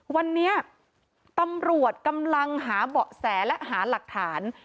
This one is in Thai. วันนี้ตำรวจกำลังหาเบาะแสและหาหลักฐาน